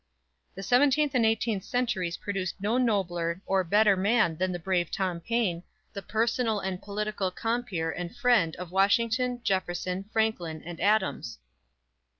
The seventeenth and eighteenth centuries produced no nobler or better man than the brave Tom Paine, the personal and political compeer and friend of Washington, Jefferson, Franklin and Adams.